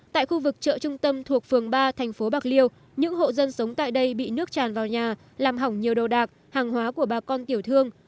tại khu vực chợ trung tâm thuộc phường ba thành phố bạc liêu những hộ dân sống tại đây bị nước tràn vào nhà làm hỏng nhiều đồ đạc hàng hóa của bà con tiểu thương